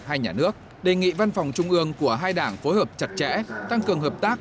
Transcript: hai nhà nước đề nghị văn phòng trung ương của hai đảng phối hợp chặt chẽ tăng cường hợp tác